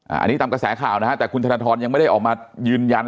อันนี้ตามกระแสข่าวนะฮะแต่คุณธนทรยังไม่ได้ออกมายืนยัน